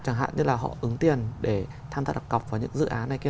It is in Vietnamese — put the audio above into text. chẳng hạn như là họ ứng tiền để tham gia đặc cọc vào những dự án này kia